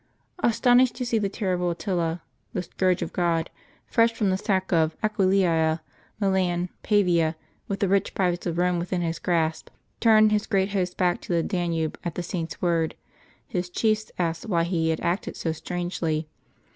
Astonished to see the terrible xA^ttila, the " Scourge of God," fresh from the sack of Aquileia, Milan, Pavia, with the rich prize of Eome within his grasp, turn his great host back to the Danube at the Saint's word, his chiefs asked him why he had acted so strangely.